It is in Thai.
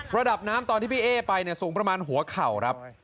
ระดับน้ำตอนที่พี่เอ๊ไปสูงประมาณหัวเข่าครับ